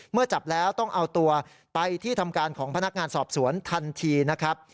จับแล้วต้องเอาตัวไปที่ทำการของพนักงานสอบสวนทันทีนะครับ